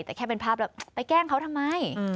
แต่แค่เป็นภาพแล้วไปแกล้งเขาทำไม